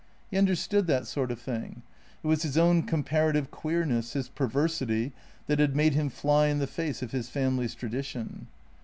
He understood that sort of thing. It was his own comparative queerness, his perversity, that had make him fly in the face of his family's tradition.